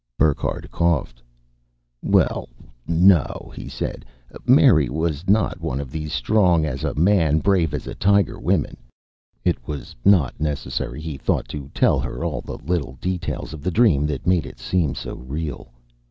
Burckhardt coughed. "Well, no," he said. Mary was not one of these strong as a man, brave as a tiger women. It was not necessary, he thought, to tell her all the little details of the dream that made it seem so real.